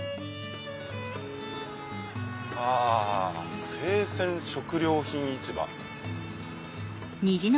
あ生鮮食料品市場。